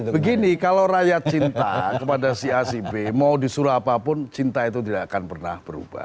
begini kalau rakyat cinta kepada si a si b mau disuruh apapun cinta itu tidak akan pernah berubah